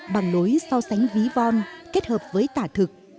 bằng lối so sánh ví von kết hợp với tả thực